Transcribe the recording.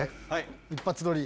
一発撮り。